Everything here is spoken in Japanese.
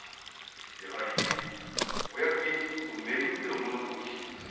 やはりお役目につくことをめぐってのものかもしれません。